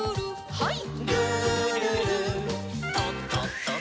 はい。